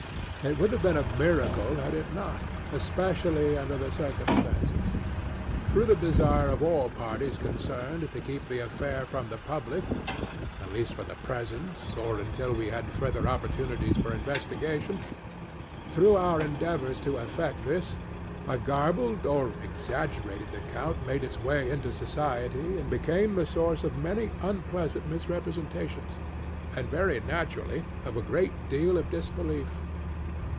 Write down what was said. It would have been a miracle had it notŌĆöespecially under the circumstances. Through the desire of all parties concerned, to keep the affair from the public, at least for the present, or until we had farther opportunities for investigationŌĆöthrough our endeavors to effect thisŌĆöa garbled or exaggerated account made its way into society, and became the source of many unpleasant misrepresentations; and, very naturally, of a great deal of disbelief.